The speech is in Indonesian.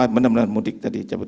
maaf mudik tadi